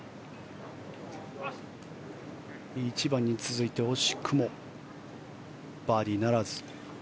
１番に続き惜しくもバーディーならず。